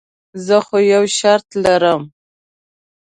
خو زه یو شرط لرم.